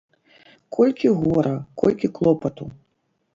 Колькі гора, колькі клопату!